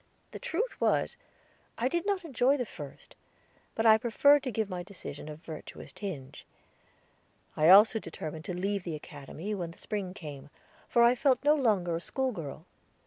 The truth was, I did not enjoy the first; but I preferred to give my decision a virtuous tinge. I also determined to leave the Academy when the spring came, for I felt no longer a schoolgirl.